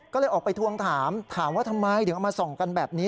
ก็เลยออกไปทวงถามถามว่าทำไมถึงเอามาส่องกันแบบนี้